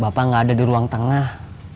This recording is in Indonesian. bapak nggak ada di ruang tengah